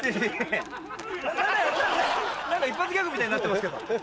何か一発ギャグみたいになってますけど。